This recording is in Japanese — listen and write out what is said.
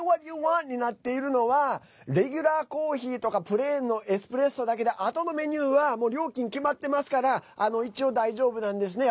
Ｐａｙｗｈａｔｙｏｕｗａｎｔになってるのはレギュラーコーヒーとかプレーンのエスプレッソだけであとのメニューは料金決まってますから一応、大丈夫なんですね。